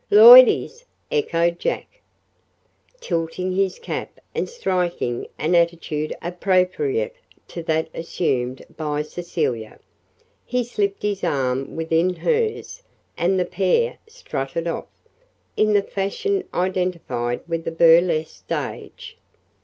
"Loidies!" echoed Jack, tilting his cap and striking an attitude appropriate to that assumed by Cecilia. He slipped his arm within hers, and the pair "strutted off," in the fashion identified with the burlesque stage.